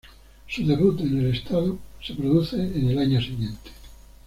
Su debut en el estado se produce en el año siguiente.